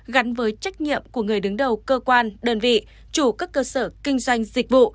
gắn với trách nhiệm của người đứng đầu cơ quan đơn vị chủ các cơ sở kinh doanh dịch vụ